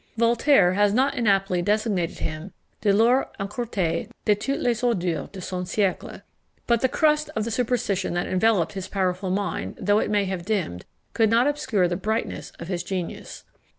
Voltaire has not inaptly designated him "De l'or encrouté de toutes les ordures de son siècle;" but the crust of superstition that enveloped his powerful mind, though it may have dimmed, could not obscure the brightness of his genius.